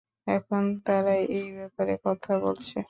এখন তারা এই ব্যাপারে কথা বলছে।